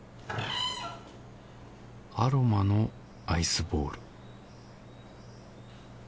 アロマのアイスボール